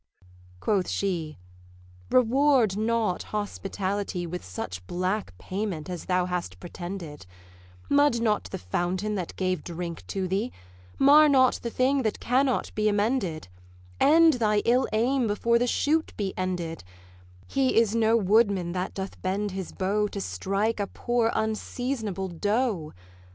Quoth she, 'Reward not hospitality With such black payment as thou hast pretended; Mud not the fountain that gave drink to thee; Mar not the thing that cannot be amended; End thy ill aim before the shoot be ended; He is no woodman that doth bend his bow To strike a poor unseasonable doe.